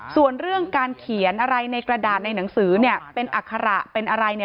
ส่วนเรื่องการเขียนอะไรในกระดาษในหนังสือเนี่ยเป็นอัคระเป็นอะไรเนี่ย